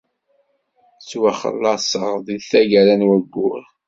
Ttwaxellaṣeɣ deg tgara n wayyur.